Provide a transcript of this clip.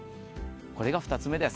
これが２つ目です。